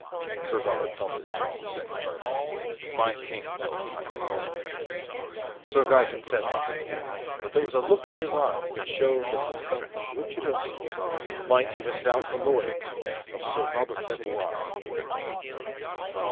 Sir Robert felt his jaw set firmly. "My king knows I am loyal." Sir Gaeton said nothing more, but there was a look in his eyes that showed that he felt that Richard of England might even doubt the loyalty of Sir Robert de Bouain.